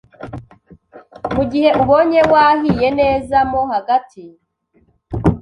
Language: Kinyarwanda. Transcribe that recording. Mu gihe ubonye wahiye neza mo hagati,